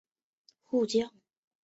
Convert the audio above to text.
累官湖北黄州协副将。